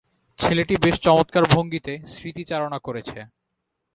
ছেলেটি বেশ চমৎকার ভঙ্গিতে স্মৃতিচারণা করেছে।